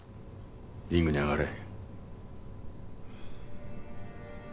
リングに上がれ。